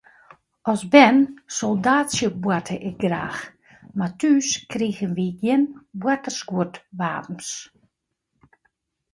As bern soldaatsjeboarte ik graach, mar thús krigen wy gjin boartersguodwapens.